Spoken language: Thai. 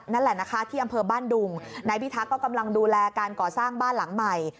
นั่นแหละนะคะที่อำเภอบ้านดุงนายพิทักษ์ก็กำลังดูแลการก่อสร้างบ้านหลังใหม่